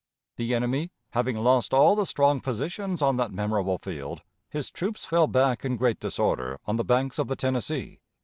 The enemy having lost all the strong positions on that memorable field, his troops fell back in great disorder on the banks of the Tennessee.